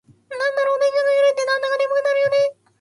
なんでだろう、電車の揺れってなんだか眠くなるよね。